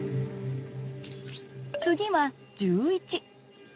次は１１。